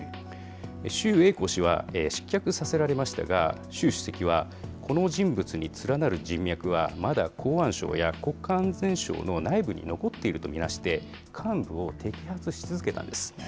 周永康氏は失脚させられましたが、習主席は、この人物に連なる人脈は、まだ公安省や国家安全省の内部に残っていると見なして、幹部を摘発し続けたんです。